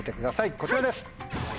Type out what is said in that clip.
こちらです。